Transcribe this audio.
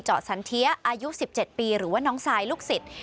สันเทียอายุ๑๗ปีหรือว่าน้องซายลูกศิษย์